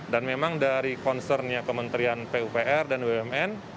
dan memang dari concernnya kementerian pupr dan wmn